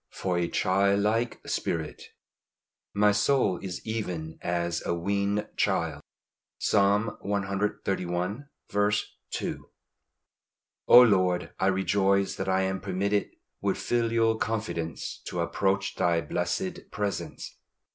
FOR A CHILD LIKE SPIRIT. "My soul is even as a weaned child." Psalm cxxxi. 2. O Lord, I rejoice that I am permitted with filial confidence to approach Thy blessed presence.